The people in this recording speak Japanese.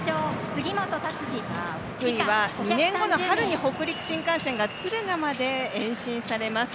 福井は２年後の春に北陸新幹線が敦賀まで延伸されます。